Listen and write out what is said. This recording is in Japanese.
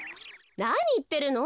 なにいってるの？